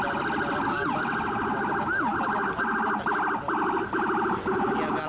masa masa yang cepat cepatnya bukan sepeda yang terganggu